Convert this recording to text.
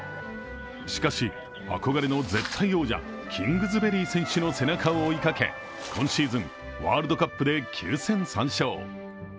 しかし、憧れの絶対王者キングズベリー選手の背中を追いかけ今シーズンワールドカップで９戦３勝。